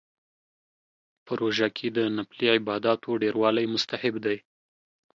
په روژه کې د نفلي عباداتو ډیروالی مستحب دی